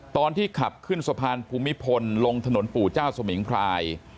ตอนที่ขับขึ้นสะพานภูมิพลลงถนนปู่เจ้าสมิงพราย